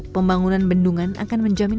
pembangunan bendungan akan menjamin